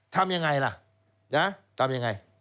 ทำอย่างไรล่ะทำอย่างไร